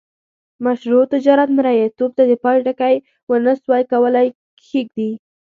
مشروع تجارت مریتوب ته د پای ټکی ونه سوای کولای کښيږدي.